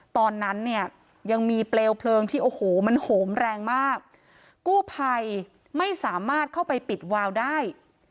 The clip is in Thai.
ตอนนั้นเนี่ยยังมีเปลวเพลิงที่โอ้โหมันโหมแรงมากกู้ภัยไม่สามารถเข้าไปปิดวาวได้